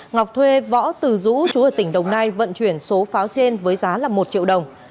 ngọc thuê võ từ dũ chú ở tỉnh đồng nai vận chuyển số pháo trên với giá là một triệu đồng